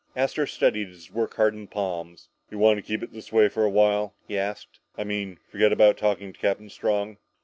Astro studied his work hardened palms. "You wanta keep it this way for a while?" he asked. "I mean, forget about talking to Captain Strong?"